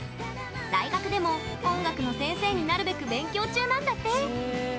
大学でも音楽の先生になるべく勉強中なんだって。